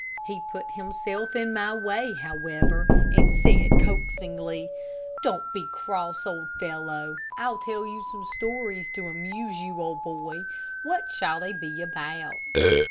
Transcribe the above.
He put himself in my way, however, and said, coaxingly, "Don't be cross, old fellow. I'll tell you some stories to amuse you, old boy. What shall they be about?"